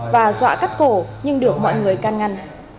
và dọa cắt cổ nhưng được mọi người can ngăn